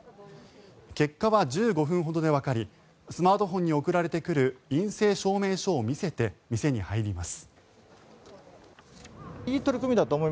結果は１５分ほどでわかりスマートフォンに送られてくる陰性証明書を見せて店に入ります。